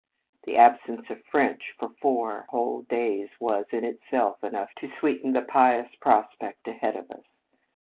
The absence of French for four whole 72 In Retreat days was, in itself, enough to sweeten the pious prospect ahead of us.